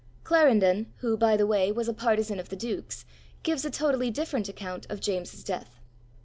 Clarendon, who, by the way, was a partisan of the duke's, gives a totally different account of James's death.